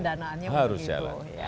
ada pendanaannya untuk itu